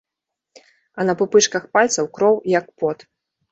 А на пупышках пальцаў кроў, як пот.